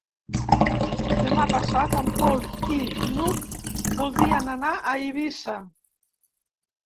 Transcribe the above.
Demà passat en Pol i n'Hug voldrien anar a Eivissa.